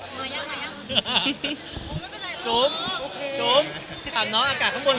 จุ๊บอากาศข้างบนเป็นไงบ้างคะ